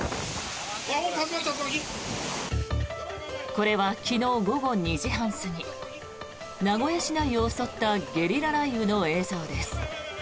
これは昨日午後２時半過ぎ名古屋市内を襲ったゲリラ雷雨の映像です。